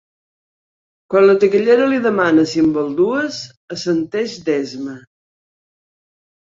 Quan la taquillera li demana si en vol dues, assenteix d'esma.